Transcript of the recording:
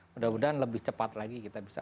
mudah mudahan lebih cepat lagi kita bisa